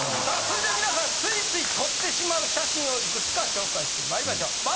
続いて皆さん、ついつい撮ってしまう写真をいくつか紹介してまいりましょう。